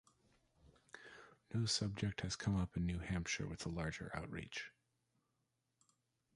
No subject has come up in New Hampshire with a larger outreach.